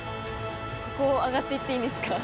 ここを上がって行っていいんですか？